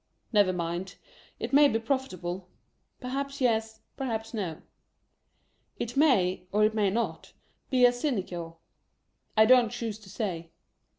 Never mind. It may be profit able. Perhaps yes, perhaps no. It may, or it may not be a sinecure. I don't choose to say.